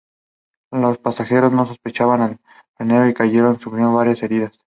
Los pasajeros no esperaban el frenado y cayeron, sufriendo varias heridas.